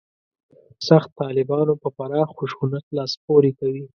«سخت طالبانو» په پراخ خشونت لاس پورې کوي.